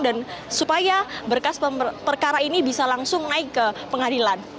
dan supaya berkas perkara ini bisa langsung naik ke pengadilan